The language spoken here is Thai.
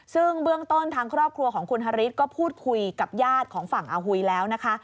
ซึ่งเบื้องต้นทางครอบครัวของคุณฮาริสก็พูดคุยกับญาติของฝั่งอาหุยแล้วนะคะ